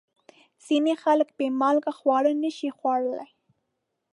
ځینې خلک بې مالګې خواړه نشي خوړلی.